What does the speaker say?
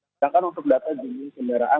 sedangkan untuk data jenis kendaraan